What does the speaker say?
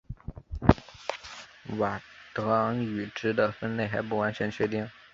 佤德昂语支的分类还不完全确定。